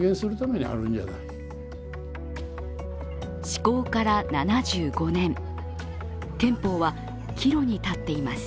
施行から７５年、憲法は岐路に立っています。